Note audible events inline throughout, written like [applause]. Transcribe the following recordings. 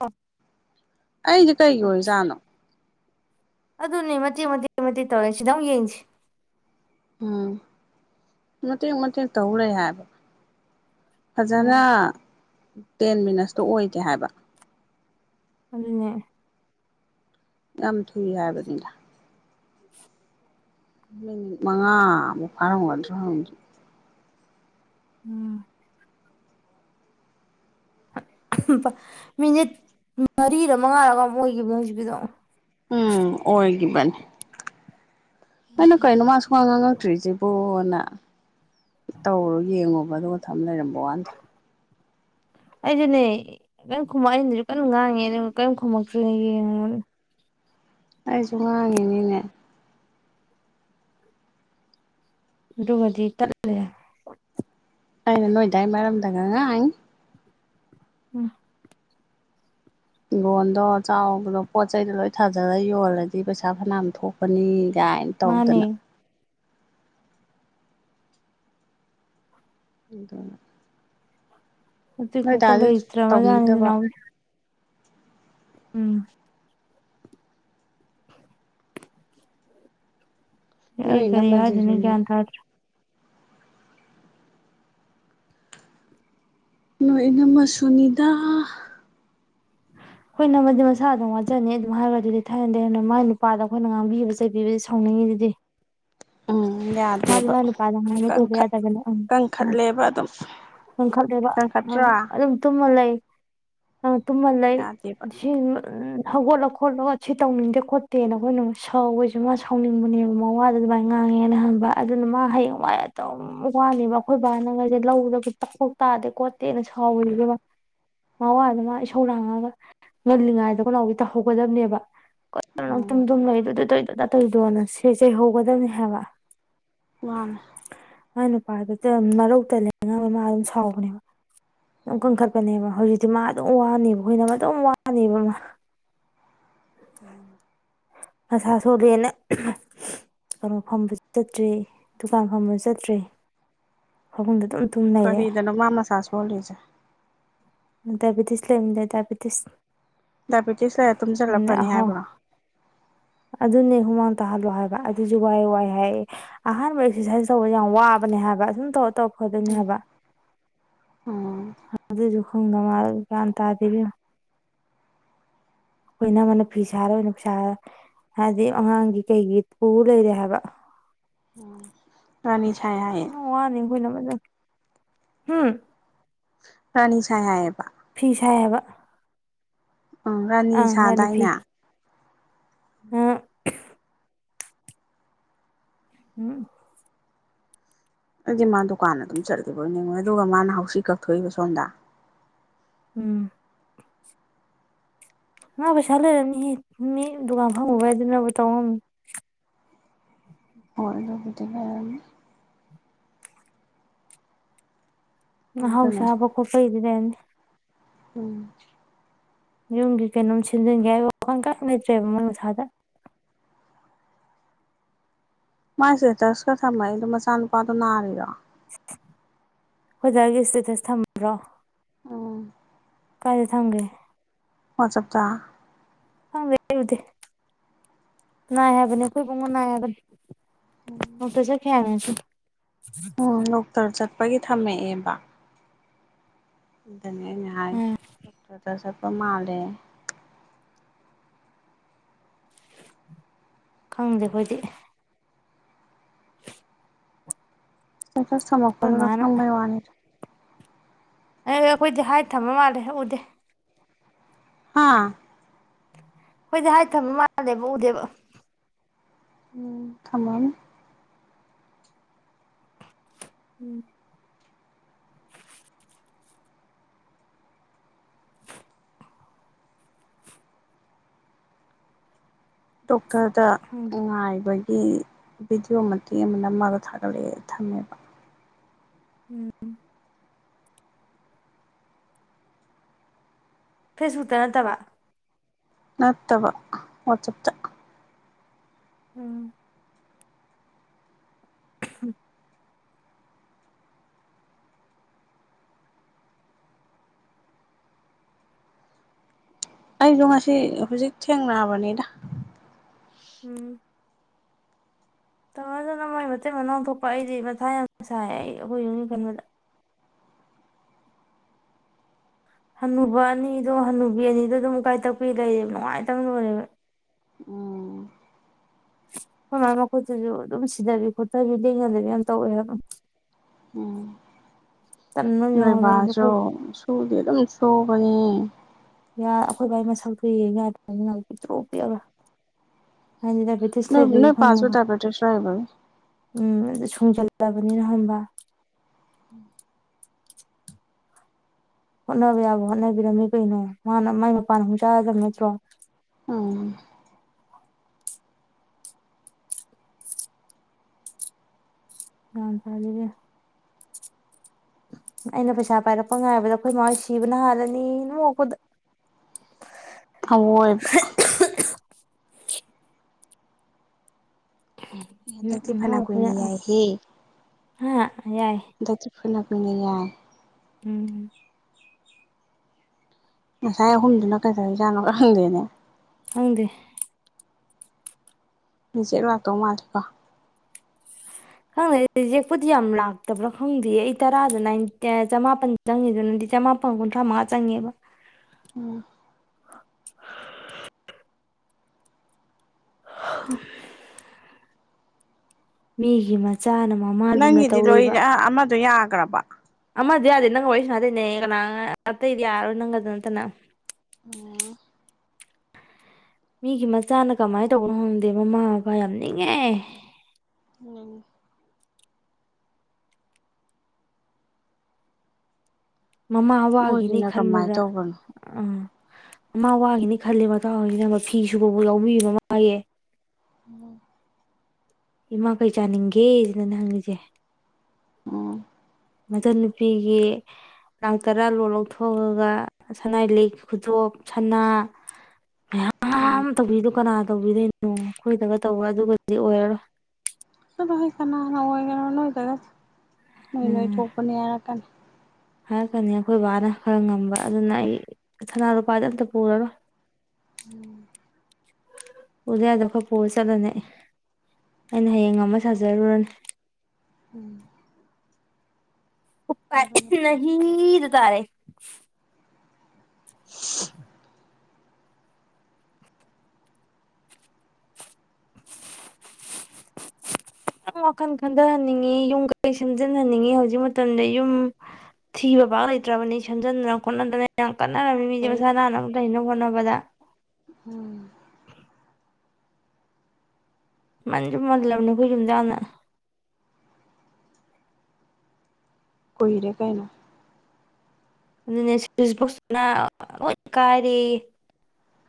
ꯑꯣ ꯑꯩꯗꯤ ꯀꯩꯒꯤ ꯑꯣꯏꯖꯥꯠꯅꯣ ꯑꯗꯨꯅꯦ ꯃꯇꯦꯛ ꯃꯇꯦꯛ ꯃꯇꯦꯛ ꯇꯧꯔꯦ ꯁꯤꯗ ꯑꯃꯨꯛ ꯌꯦꯡꯁꯤ ꯎꯝ ꯃꯇꯦꯛ ꯃꯇꯦꯛ ꯇꯧꯂꯩ ꯍꯥꯏꯕ ꯎꯝ ꯐꯖꯅ ꯇꯦꯟ ꯃꯤꯅꯠꯁꯇꯨ ꯑꯣꯏꯗꯦ ꯍꯥꯏꯕ ꯑꯗꯨꯅꯦ ꯌꯥꯝ ꯊꯨꯏ ꯍꯥꯏꯕꯅꯤꯗ ꯃꯤꯅꯤꯠ ꯃꯉꯥꯃꯨꯛ ꯐꯥꯔꯝꯒꯗ꯭ꯔꯣ ꯎꯝ ꯃꯤꯅꯤꯠ ꯃꯔꯤꯔ ꯃꯉꯥꯔꯒ ꯃꯣꯏꯒꯤ ꯍꯧꯖꯤꯛꯀꯤꯗꯣ ꯎꯝ ꯑꯣꯏꯈꯤꯕꯅꯤ ꯑꯩꯅ ꯀꯩꯅꯣ ꯃꯥ ꯁꯀꯥꯡ ꯉꯥꯡꯉꯛꯇ꯭ꯔꯤꯁꯤꯕꯣꯅ ꯇꯧꯔꯣ ꯌꯦꯡꯉꯣꯕ ꯑꯗꯨꯒ ꯊꯝ ꯂꯩꯔꯝꯃꯣ [inaudible] ꯑꯩꯗꯤꯅꯦ ꯀꯔꯤꯝ ꯈꯃꯛ ꯑꯗꯨꯁꯨ ꯀꯟꯅ ꯉꯥꯡꯉꯦ ꯑꯗꯨꯒ ꯀꯔꯤꯝ ꯈꯨꯝꯃꯛꯇꯅꯦ ꯌꯦꯡꯕꯅꯦ ꯑꯩꯁꯨ ꯉꯥꯡꯉꯤꯅꯤꯅꯦ ꯑꯗꯨꯕꯗꯤ ꯇꯠ ꯂꯩꯔꯦ ꯑꯩꯅꯥ ꯅꯣꯏꯗꯥꯥꯏ ꯃꯔꯝꯗꯉꯪꯉꯤ ꯎꯝ ꯂꯣꯟꯗꯣ ꯆꯥꯎꯕꯗꯣ ꯄꯣꯠ ꯆꯩꯗꯣ ꯂꯣꯏ ꯊꯥꯖꯔ ꯌꯣꯜꯂꯗꯤ ꯄꯩꯁꯥ ꯐꯅꯌꯥꯝ ꯊꯣꯛꯄꯅꯤ ꯏꯅ ꯃꯥꯅꯦ ꯇꯧꯗꯅ ꯍꯗ ꯃꯦ ꯀꯣꯛꯀ ꯂꯩꯇꯔꯕ ꯖꯠꯅꯤ ꯅꯥꯎꯕꯤ ꯎꯝ ꯑꯩ ꯅꯣꯏ ꯀꯔꯤ ꯍꯥꯏꯗꯨꯏꯅꯣ ꯒꯌ꯭ꯥꯟ ꯏꯅꯝꯃꯁꯤꯁꯨꯅꯤꯗ ꯇꯥꯗ꯭ꯔ° ꯅꯣꯏ ꯏꯅꯥꯝꯃꯁꯨꯅꯤꯗ ꯑꯩꯈꯣꯏꯅ ꯑꯃꯗꯤꯗꯤ ꯃꯁꯥ ꯑꯗꯨꯝ ꯋꯥꯖꯅꯤ ꯑꯗꯨꯝ ꯍꯥꯏꯔꯒ ꯑꯗꯨꯗꯤ ꯊꯥꯏꯅꯟꯗꯩ ꯍ ꯃꯥꯏ ꯅꯨꯄꯥꯗ ꯑꯩꯈꯣꯏꯅ ꯉꯥꯡꯕꯤꯕ ꯆꯩꯕꯤꯕꯗꯤ ꯁꯥꯎꯅꯤꯡꯉꯤꯗꯨꯗꯤ ꯎꯝ ꯃꯥ ꯌꯥꯗꯦꯕ ꯃꯥ ꯅꯨꯄꯥꯗ ꯉꯑꯥꯡ ꯅ ꯇꯕ ꯀꯟꯈꯠ ꯌꯥꯗꯕꯅꯦ ꯀꯟꯈꯠꯂꯦꯕ ꯑꯗꯨꯝ ꯀꯟꯈꯠꯂꯦꯕ ꯎꯝ ꯀꯟꯈꯠꯇ꯭ꯔꯥ ꯑꯗꯨꯝ ꯇꯨꯝꯃ ꯂꯩ ꯑ ꯇꯨꯃ ꯂꯩ ꯌꯥꯗꯦꯕ ꯍꯧꯒꯠꯂ ꯈꯣꯠꯂꯒ ꯁꯤ ꯇꯧꯅꯤꯡꯗꯦ ꯈꯣꯠꯇꯦꯅ ꯑꯩꯈꯣꯏꯅ ꯁꯧꯈꯣꯏꯁꯁꯨ ꯃꯥ ꯁꯥꯎꯅꯤꯡꯕꯅꯦꯕ ꯃꯋꯥꯗ ꯑꯗꯨꯃꯥꯏꯅ ꯉꯥꯡꯉꯦꯅ ꯍꯟꯕ ꯑꯗꯨꯅ ꯃꯥ ꯍꯌꯦꯡꯋꯥꯏ ꯑꯗꯨꯝ ꯋꯥꯅꯦꯕ ꯑꯩꯈꯣꯏ ꯕꯥꯅꯉꯩꯁꯦ ꯂꯧꯗ ꯇꯛꯈꯣꯛ ꯇꯥꯗꯦ ꯈꯣꯠꯇꯦꯅ ꯁꯥꯎꯋꯒꯦꯕ ꯃꯥꯋꯥꯗ ꯃꯥ ꯏꯁꯧꯔꯥꯡꯉꯒ ꯉꯜꯂꯤꯉꯩꯗ ꯀꯅꯥꯎꯗꯤ ꯇꯧꯍꯧꯒꯗꯕꯅꯦꯕ ꯇꯨꯝ ꯎꯝ ꯇꯨꯝ ꯂꯩꯗꯣ ꯇꯧꯗꯣꯅ ꯁꯦꯆꯩ ꯍꯧꯒꯗꯕꯅꯤ ꯍꯥꯏꯕ ꯋꯥ ꯃꯥ ꯅꯨꯄꯥꯗꯨ ꯃꯔꯧ ꯇꯜꯂꯦ ꯃꯥ ꯑꯗꯨꯝ ꯁꯥꯎꯕꯅꯦꯕ ꯀꯪꯈꯠꯄꯅꯦꯕ ꯍꯧꯖꯤ ꯃꯥ ꯑꯗꯨꯝ ꯋꯥꯅꯦꯕ ꯑꯩꯈꯣꯏꯅ ꯑꯗꯨꯝ ꯋꯥꯅꯦꯕ ꯃꯥ ꯎꯝ ꯃꯁꯥ ꯁꯣꯂꯦꯅ ꯀꯩꯅꯣ ꯐꯝꯕꯁꯨ ꯆꯠꯇ꯭ꯔꯦ ꯗꯨꯀꯥꯟ ꯐꯝꯕꯁꯨ ꯆꯠꯇ꯭ꯔꯦ ꯐꯃꯨꯡꯗ ꯑꯗꯨꯝ ꯇꯨꯝ ꯂꯩꯔꯦ ꯀꯔꯤꯗꯅ ꯃꯃꯥꯁꯥ ꯁꯣꯂꯤꯁꯦ ꯗꯥꯏꯕꯤꯇꯤꯁ ꯂꯩ ꯂꯩ ꯗꯥꯏꯕꯤꯇꯤꯁ ꯗꯥꯏꯕꯦꯇꯤꯁ ꯀꯌꯥ ꯇꯨꯝꯁꯤꯂ ꯂꯩꯔ ꯐꯥꯅꯤ ꯑꯍꯣ ꯍꯥꯏꯕ꯭ꯔꯣ ꯑꯗꯨꯅꯦ ꯍꯨꯃꯥꯡ ꯇꯥꯍꯜꯂꯣ ꯍꯥꯏꯕ ꯑꯗꯨꯁꯨ ꯋꯥꯏ ꯋꯥꯏ ꯍꯥꯏ ꯑꯍꯥꯟꯕ ꯑꯦꯛꯁꯔꯁꯥꯏꯁ ꯇꯧꯕ ꯌꯥꯝ ꯋꯥꯕꯅꯦ ꯍꯥꯏꯕ ꯁꯨꯝ ꯇꯧꯄ ꯐꯗꯣꯏꯅꯤ ꯍꯥꯏꯕ ꯎꯝ ꯑꯗꯨꯁꯨ ꯈꯪꯗ ꯃꯥꯜ ꯒ꯭ꯌꯥꯟ ꯇꯥꯗꯦ ꯑꯣꯕꯦꯝꯃ ꯑꯩꯈꯣꯏ ꯏꯅꯃꯅ ꯐꯤ ꯁꯥꯔ ꯑꯣꯏꯅ ꯄꯩꯁꯥ ꯍꯥꯏꯕꯗꯤ ꯑꯉꯥꯡꯒꯤ ꯀꯩꯒꯤ ꯄꯨ ꯂꯩꯔꯦ ꯍꯥꯏꯕ ꯎꯝ ꯔꯥꯅꯤꯁ ꯍꯥꯏꯌꯦ [inaudible] ꯔꯥꯅꯤ ꯁꯥꯏ ꯍꯥꯏꯑꯌꯦꯕ ꯐꯤ ꯁꯥꯏ ꯍꯥꯏꯕ ꯎꯝ ꯔꯥꯅꯤ ꯁꯥꯗꯥꯏꯅꯦ ꯎꯝ ꯎꯝ ꯑꯩꯗꯤ ꯃꯥ ꯗꯨꯀꯥꯟ ꯑꯗꯨꯝ ꯆꯠꯂꯤꯕꯣꯏ ꯅꯤꯡꯉꯦ꯫ ꯑꯗꯨꯒ ꯃꯥꯅ ꯍꯧꯁꯤ ꯀꯛꯊꯣꯛꯏꯕ ꯁꯣꯝꯗ ꯎꯝ ꯃ ꯄꯩꯁꯥ ꯂꯩꯔꯝꯅꯤ ꯍꯦ ꯃꯤ ꯗꯨꯀꯥꯟ ꯐꯝꯃꯨꯕꯩ ꯑꯗꯨꯅꯕꯨ ꯇꯧ ꯉꯝꯃꯤꯅꯤ ꯍꯣꯏ ꯑꯗꯨꯕꯨꯗꯤ ꯂꯩꯔꯝꯅꯤ ꯑꯗꯨꯅ ꯍꯧꯁꯥ ꯍꯥꯕ ꯀꯣꯠꯄꯒꯤꯗꯤ ꯂꯩꯔꯝꯅꯤ ꯎꯝ ꯌꯨꯝꯒꯤ ꯀꯩꯅꯣꯝ ꯁꯦꯝꯖꯤꯟꯒꯦ ꯍꯥꯏꯕ ꯋꯥꯈꯜ ꯀꯩꯝ ꯂꯩꯇ꯭ꯔꯦꯕ ꯃꯣꯏ ꯃꯁꯥꯗ ꯃꯥꯏ ꯏꯁꯇꯦꯇꯁꯀ ꯊꯝꯃꯛ ꯏꯗꯣ ꯃꯆꯥꯅꯨꯄꯥꯗꯣ ꯅꯥꯔꯤꯔꯣ ꯑꯩꯈꯣꯏ ꯗꯥꯒꯤ ꯢꯁꯇꯦꯇꯁ ꯊꯝꯕ꯭ꯔꯣ ꯎꯝ ꯀꯥꯏꯗ ꯊꯝꯒꯦ ꯋꯥꯆꯞꯇꯥ ꯈꯪꯗꯦ ꯑꯩ ꯎꯗꯦ ꯅꯥꯏ ꯍꯥꯏꯕꯅꯤ ꯑꯩꯈꯣꯏ ꯄꯨꯡꯉꯣ ꯅꯥꯏ ꯍꯥꯏꯕꯅꯤ ꯎꯝ ꯍꯅꯁꯨ [unintelligible] ꯎꯝ ꯗꯣꯛꯇꯔ ꯆꯠ ꯄꯒꯤ ꯊꯝꯃꯛꯑꯦꯕ ꯎꯝ ꯑꯥ [inaudible] ꯃꯥꯜꯂꯦ ꯈꯪꯗꯦ ꯑꯩꯈꯣꯏꯗꯤ ꯏꯁꯇꯦꯇꯁ ꯑꯩꯈꯣꯏ ꯊꯝꯃꯛꯄꯗꯨꯗ ꯃꯥꯅ ꯈꯪꯕꯩ ꯋꯥꯅꯤꯗ ꯑꯩꯈꯣꯏꯗꯤ ꯍꯥꯏꯠ ꯊꯝꯕ ꯃꯥꯜꯂꯦ ꯎꯗꯦ ꯍꯥꯥ ꯈꯣꯏꯗꯤ ꯍꯥꯏꯠ ꯊꯝꯕ ꯃꯥꯜꯂꯦꯕ ꯎꯗꯦꯕ ꯊꯝꯃꯝꯅꯤ ꯎꯝ ꯇ ꯈꯪꯗꯦ ꯉꯥꯏꯕ ꯚꯤꯗꯤꯑꯣ ꯃꯇꯦꯛ ꯑꯃꯅ ꯅꯝꯃꯒ ꯊꯥꯒꯠꯂꯛꯑꯦ ꯊꯝꯃꯦꯕ ꯎꯝ ꯐꯦꯁꯕꯨꯛꯇ ꯅꯠꯇꯕ ꯅꯠꯇꯕ ꯋꯥꯆꯞꯇ ꯎꯝ ꯎꯝ ꯑꯩꯁꯨ ꯉꯁꯤ ꯍꯧꯖꯤꯛ ꯊꯦꯡꯅꯕꯅꯤꯗ ꯎꯝ ꯇꯧꯃꯗꯅ ꯃꯣꯏ ꯃꯇꯩ ꯃꯅꯥꯎ ꯊꯣꯛꯄ ꯑꯩꯗꯤ ꯃꯊꯥ ꯌꯥꯝ ꯁꯥꯏ ꯑꯩꯈꯣꯏ ꯌꯨꯝꯒꯤ ꯈꯟꯕꯗ ꯍꯅꯨꯕ ꯑꯅꯤꯗꯣ ꯍꯅꯨꯕꯤ ꯑꯅꯤꯗ ꯑꯗꯨꯝ ꯎꯀꯥꯏ ꯇꯛꯄꯤ ꯂꯩꯔꯦꯕ ꯅꯨꯡꯉꯥꯏꯇꯕꯅ ꯂꯣꯏꯔꯦꯕ ꯎꯝ ꯍꯣꯏ ꯃꯈꯨꯠꯇꯁꯨ ꯑꯗꯨꯝ ꯁꯤꯊꯕꯤ ꯈꯣꯠꯊꯕꯤ ꯂꯦꯡꯅꯗꯕꯤ ꯌꯥꯝ ꯇꯧꯋꯦ ꯍꯥꯏ ꯎꯝ ꯑꯃ ꯌꯥꯎꯔꯦ ꯑꯩꯗꯣ ꯅꯣꯏꯕꯥꯁꯨ ꯑꯩꯈꯣꯏ ꯁꯨꯗꯤ ꯑꯗꯨꯝ ꯁꯨ ꯇꯣꯡꯕꯅꯤ ꯌꯥ ꯑꯩꯈꯣꯏ ꯕꯥꯏ ꯃꯁꯛ ꯊꯣꯛꯨꯏ ꯉꯥꯏꯗꯅꯤ ꯉꯥꯏ ꯄꯤꯛꯇꯣꯛꯄꯤꯤꯑꯒ [unintelligible] ꯅ ꯅꯣꯏ ꯄꯁꯣ ꯇ ꯄꯦꯇꯦ ꯁꯋꯥꯥꯏꯕ ꯎꯝ ꯑꯗꯨ ꯁꯨꯡꯖꯜꯂꯕꯅꯤꯅ ꯍꯝꯕ ꯍꯣꯠꯅꯕ ꯌꯥꯕ ꯍꯣꯠꯅꯕꯤꯔꯝꯃꯤ ꯀꯩꯅꯣ ꯃꯥꯅ ꯃꯥꯏ ꯃꯄꯥꯟꯅꯨꯛ ꯆꯥꯒꯗꯕ ꯅꯠꯇ꯭ꯔꯣ ꯎꯝ ꯑ ꯐꯖꯒꯦ ꯑꯩꯅ ꯄꯩꯁꯥ ꯄꯥꯏꯔꯛꯄ ꯉꯥꯏꯕꯗ ꯑꯩꯈꯣꯏ ꯃꯥꯣꯏ ꯁꯤꯕꯅ ꯍꯥꯜꯂꯅꯤ ꯅꯣꯛꯄꯗ ꯊꯃꯣꯏꯕ ꯎꯝ ꯍꯟꯗꯛꯇꯤ ꯎꯝ ꯐꯅ ꯀꯨꯏꯅ ꯑꯣ ꯌꯥꯏꯍꯦ ꯍꯥ ꯌꯥꯏ ꯀꯅ ꯄꯅꯦ ꯌꯥꯏ ꯎꯝꯝ ꯉꯁꯥꯏ ꯑꯍꯨꯝꯗꯨꯅ ꯀꯩꯗꯧꯖꯥꯠꯅꯣ ꯈꯪꯗꯦꯅꯦ ꯍꯪꯗꯦ ꯃꯤꯆꯦꯠ ꯂꯥꯛꯇꯧ ꯃꯥꯂꯦꯀꯣ ꯈꯪꯗꯦ ꯌꯦꯦꯛꯄꯨꯗꯤ ꯌꯥꯝ ꯂꯥꯛꯇꯕ꯭ꯔꯥ ꯈꯪꯗꯦ ꯑꯩ ꯇꯔꯥꯗ ꯆꯃꯥꯄꯜ ꯆꯪꯉꯤꯗꯨꯅꯗꯤ ꯆꯃꯥꯄꯜ ꯀꯨꯟꯊ꯭ꯔꯥ ꯃꯉꯥ ꯆꯪꯉꯦꯕ ꯎꯝ ꯃꯤꯒꯤꯃꯁ ꯅꯪꯒꯤꯗꯤ ꯂꯣꯏꯔꯦ ꯑ ꯑꯃꯗꯣ ꯌꯥꯒ꯭ꯔ ꯭ꯔꯕ ꯃ ꯃ ꯑꯗꯨ ꯌꯥꯗꯦ ꯅꯪ ꯋꯥꯣꯏꯁ ꯃꯥꯗꯦꯅꯦꯗ ꯌꯥꯔꯣ ꯅꯪ ꯑꯗꯨꯅꯅ ꯑꯣꯝ ꯃꯤꯒꯤ ꯃꯆꯥꯅ ꯀꯃꯥꯏꯅ ꯇꯧꯕꯅꯣ ꯍꯪꯗꯦ ꯃꯃꯥ ꯃꯄꯥ ꯌꯥꯝ ꯅꯤꯡꯉꯦ ꯎꯝ ꯃꯃꯥ ꯑꯋꯥꯒꯤꯅꯦ ꯅꯣꯏꯒꯤꯅ ꯀꯃꯥꯏ ꯈꯔꯃꯗ ꯇꯧꯕꯅꯣ ꯑ ꯑꯃ ꯋꯥꯈꯤꯅꯤ ꯈꯜꯜꯂꯤꯦ ꯃꯇꯥꯡ ꯑꯣꯏꯁꯤꯅ ꯐꯤ ꯁꯨꯕꯕꯨ ꯌꯥꯎꯕꯤ ꯃꯥꯌꯦ ꯎꯝ ꯏꯃꯥ ꯀꯩ ꯆꯥꯅꯤꯡꯒꯦꯁꯤꯅꯅꯦ ꯍꯪꯉꯁꯦ ꯎꯝ ꯃꯆꯟꯅꯨꯄꯤꯒꯤ ꯂꯥꯡ ꯇꯔꯥ ꯂꯣꯟ ꯂꯧꯊꯣꯛꯑꯒ ꯁꯅꯥꯏ ꯂꯤꯛ ꯈꯨꯗꯣꯞ ꯁꯅꯥ ꯝ ꯎꯝ ꯇꯗꯨ ꯀꯥꯟꯅ ꯇꯧꯕꯤꯗꯣꯏꯅꯣ ꯑꯩꯈꯣꯏꯗꯒ ꯇꯧꯕ ꯑꯗꯨꯒꯗꯤ ꯑꯣꯏꯔꯔꯣꯏ ꯆꯗꯣꯏ ꯀ ꯅꯒ ꯅꯣꯏꯗ ꯅꯣꯏ ꯅꯣꯏ ꯎꯝ ꯊꯣꯛꯄꯅꯦ ꯍꯥꯏꯔꯛꯀꯥꯟꯅꯤ ꯍꯥꯏꯔꯛꯀꯅꯤ ꯑꯩꯈꯣꯏ ꯕꯕꯥꯅ ꯈꯔ ꯉꯝꯕ ꯑꯗꯨꯅ ꯑꯩ ꯁꯅꯥ ꯂꯨꯄꯥꯗꯤ ꯑꯝꯇ ꯄꯨꯔꯔꯣꯏ ꯎꯝ ꯄꯨꯗ ꯌꯥꯗꯕ ꯈꯔ ꯄꯨꯔ ꯆꯠꯂꯅꯤ ꯑꯩꯅ ꯍꯣꯏ ꯍꯌꯦꯡ ꯉꯝꯃꯥ ꯁꯥ ꯖꯔꯨꯔꯅꯤ ꯎꯝ ꯎꯄꯥꯏ ꯑꯗꯨꯅ [unintelligible] ꯐꯔꯦ ꯅꯍꯤ ꯇꯔꯦ [inaudible] [unintelligible] ꯈꯤꯇꯪ ꯋꯥꯈꯜ ꯈꯟꯊꯍꯟꯅꯤꯡꯉꯤ ꯌꯨꯝ ꯀꯩꯩ ꯁꯦꯝꯖꯤꯟꯍꯟꯅꯤꯡꯉꯤ ꯍꯧꯖꯤꯛ ꯃꯇꯝꯗ ꯌꯨꯝ ꯊꯤꯕ ꯄꯥꯛ ꯂꯩꯇ꯭ꯔꯕꯅꯤ ꯁꯦꯝꯖꯤꯟꯗꯅ ꯈꯣꯠꯅꯗꯅ ꯌꯥꯝ ꯀꯟꯅꯔꯃꯤ ꯃꯤꯖꯦ ꯃꯁꯥ ꯀꯥꯏꯗꯩ ꯅꯥꯟꯅꯕ ꯂꯩꯅꯕ ꯍꯣꯠꯅꯕ ꯕꯗ ꯎꯝ ꯃꯟꯖꯨ ꯃꯜꯂꯕꯅꯤ ꯑꯈꫭꯏ ꯌꯨꯝꯖꯦ ꯌꯝꯅ ꯀꯨꯏꯔꯦ ꯀꯩꯅꫭ ꯑꯗꯨꯅꯦ [unintelligible] ꯀꯥꯏꯔꯦꯌꯦ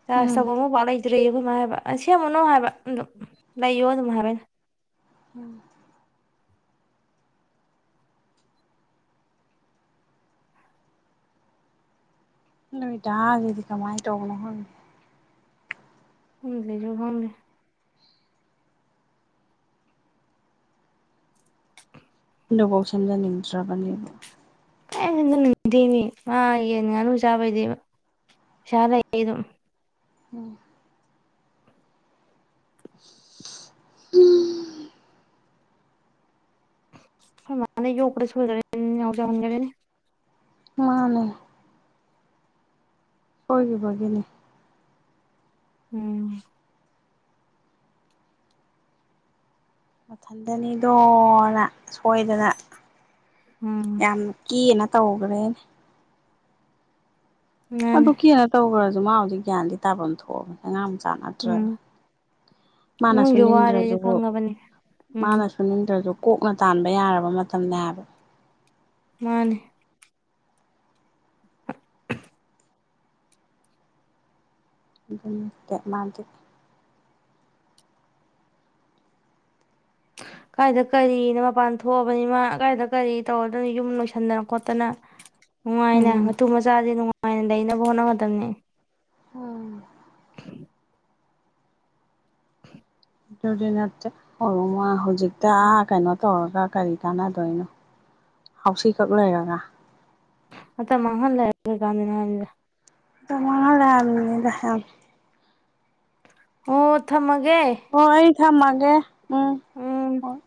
ꯆꯥꯁ ꯎꯝ ꯇꯧꯕꯝ ꯑꯃ ꯕꯥꯎ ꯂꯩꯇꯦ [unintelligible] ꯑꯈꫭꯏꯃꯥ ꯍꯥꯏꯕ ꯑꯩꯅ ꯁꯦꯝꯃꯨꯔꯅꯨ ꯍꯥꯏꯕ ꯑꯗꫭ ꯂꯩꯌꯥ ꯑꯗꯨꯝ ꯍꯥꯏꯕ ꯑꯩꯅ ꯎꯝ ꯅꫭꯏꯗ ꯖꯤꯗꯤ ꯀꯃꯥꯏꯇꯧꯕꯅꫭ ꯈꯪꯗꯦ [unintelligible] ꯑꯗꯨꯕꯨꯛ ꯁꯦꯝꯖꯟ ꯅꯤꯡꯗ꯭ꯔꯕꯅꯦꯕ ꯀꯥꯏꯗꯩꯅꫭꯃꯤ [unintelligible] ꯃꯥ ꯌꯦꯟ ꯉꯥꯅꯨ ꯆꯥꯕꯩꯗꯤ ꯄꯩꯁꯥ ꯂꯩ ꯑꯗꯨꯝ ꯎꯝ [unintelligible] ꯍꯨꯝ ꯑꯈꫭꯏ ꯃꯥꯅ ꯌꫭꯛꯄꯗ ꯁꫭꯏꯒ꯭ꯔꯦꯅꯦ ꯅꯥꯎ ꯆꯥꯎꯍꯟ ꯒ꯭ꯔꯦꯅꯦ ꯃꯥꯅꯦ ꯁꫭꯏꯒꯤꯕꯒꯤꯅꯦ ꯎꯝ ꯃꯊꯟꯗꯅꯤꯗꯣꯅ ꯁꯣꯏꯗꯅ ꯎꯝ ꯌꯥꯝ ꯀꯩꯅ ꯇꯧꯈ꯭ꯔꯦ ꯃꯥꯅꯦ ꯑꯗꯨ ꯀꯦꯅ ꯇꯧꯒ꯭ꯔ ꯖꯨ ꯃꯥ ꯍꯧꯖꯤꯛ ꯒ꯭ꯌꯥꯟꯗꯤ ꯇꯥꯕꯝ ꯊꯣꯛꯑꯕꯅꯤ ꯑꯉꯥꯡꯁ ꯃꯥꯆꯥ ꯎꯝ ꯅꯠꯇ꯭ꯔꯒꯥ ꯃꯥꯅ ꯏꯃꯨꯡꯁꯨ ꯋꯥꯔꯦꯁꯦ ꯁꯨꯅꯤꯡꯗ꯭ꯔꯥꯖꯨꯀꫭ ꯈꯪꯉꯕꯅꯤ ꯎꯝ ꯃꯥꯅꯁꯨꯅꯤꯡꯗ꯭ꯔꯥꯖꯨ ꯀꯣꯛꯅ ꯇꯥꯟꯕ ꯌꯥꯔꯕ ꯃꯇꯝꯅꯦ ꯍꯥꯏꯕ ꯃꯥꯅꯦ ꯑꯗꯨꯅꯠꯇꯦ ꯃꯥꯗꯤ ꯀꯥꯏꯗ ꯀꯔꯤꯅꯣ ꯃꯄꯥꯟ ꯊꯣꯛꯑꯕꯅꯤ ꯃꯥ ꯀꯥꯏꯗ ꯀꯔꯤ ꯇꯧꯔꯗꯣꯏꯅꯣ ꯌꯨꯝ ꯂꯣꯏꯁꯟꯗꯅ ꯈꯣꯠꯇꯅ ꯅꯨꯡꯉꯥꯏꯅꯦ ꯎꯝ ꯃꯇꯨ ꯃꯆꯥꯖꯦ ꯅꯨꯡꯉꯥꯏ ꯉꯥꯏꯅ ꯂꯩꯅꯕ ꯍꯣꯠꯙꯒꯗꯥꯕꯅꯦ ꯎꯝ ꯑꯗꯨꯗꯤ ꯅꯠꯇꯦ [unintelligible] ꯍꯧꯖꯤꯛꯇꯥ ꯀꯩꯅꯣ ꯇꯧꯔꯒ ꯀꯔꯤ ꯀꯥꯟꯅꯗꯣꯏꯅꯣ ꯍꯥꯎꯁꯤ ꯀꯛ ꯂꯩꯔꯒ ꯃꯇꯝ ꯃꯥꯡꯍꯜ ꯂꯩꯔ ꯀꯩ ꯀꯟꯗꯣꯏꯅꯣ ꯍꯥꯏꯕꯅꯤꯗ ꯃꯇꯥꯝ ꯃꯪꯍꯜꯂꯦ ꯍꯥꯏꯃꯤꯗ ꯌꯥꯝ ꯑꯣ ꯊꯝꯃ ꯒꯦ ꯑꯣ ꯑꯩ ꯊꯝꯃꯒꯦ ꯎꯝ ꯎꯝ ꯍꯣꯏ